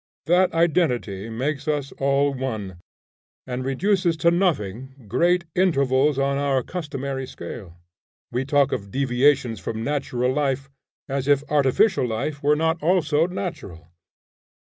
That identity makes us all one, and reduces to nothing great intervals on our customary scale. We talk of deviations from natural life, as if artificial life were not also natural.